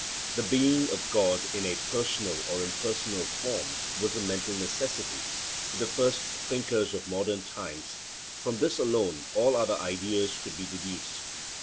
The being of God in a personal or impersonal form was a mental necessity to the first thinkers of modern times: from this alone all other ideas could be deduced.